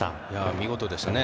見事でしたね。